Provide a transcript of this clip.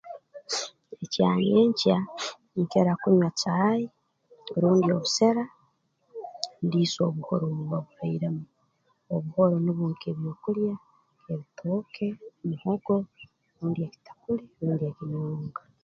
Ekyanyenkya nkira kunywa caayi rundi obusera ndiisa obuhora obuba burairemu obuhoro nubwo nk'ebyokulya ebitooke muhogo rundi ekitakuli rundi ekinyonga